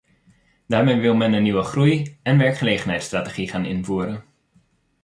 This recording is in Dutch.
Daarmee wil men een nieuwe groei- en werkgelegenheidsstrategie gaan invoeren.